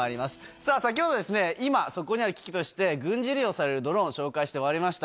さあ、先ほど、今、そこにある危機として、軍事利用されるドローンを紹介して終わりました。